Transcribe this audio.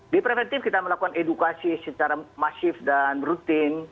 di preventif kita melakukan edukasi secara masif dan rutin